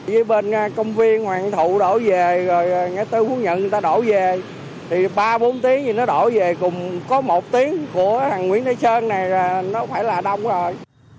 với bên công viên hoàng thụ đổ về rồi nghe tới quốc nhận người ta đổ về thì ba bốn tiếng thì nó đổ về cùng có một tiếng của thằng nguyễn thái sơn này nó phải là đông rồi